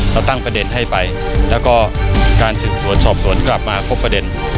ตั้งประเด็นให้ไปแล้วก็การสืบสวนสอบสวนกลับมาครบประเด็น